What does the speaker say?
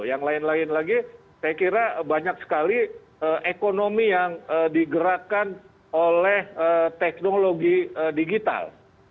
yang lain lain lagi saya kira banyak sekali ekonomi yang digerakkan oleh teknologi digital